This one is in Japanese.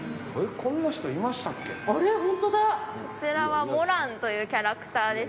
こちらはモランというキャラクターでして。